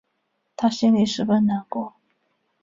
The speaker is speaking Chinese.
她心里十分难过